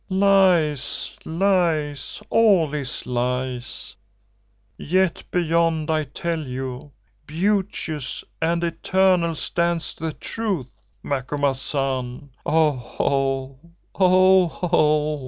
"Lies, lies, all is lies! Yet beyond I tell you, beauteous and eternal stands the Truth, Macumazahn. _Oho ho! Oho ho!